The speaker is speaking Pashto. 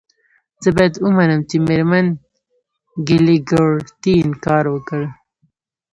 زه باید ومنم چې میرمن کلیګرتي انکار وکړ